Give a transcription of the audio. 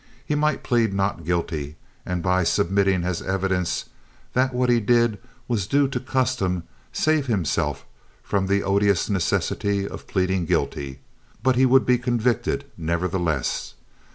He might plead not guilty, and by submitting as evidence that what he did was due to custom save himself from the odious necessity of pleading guilty; but he would be convicted nevertheless.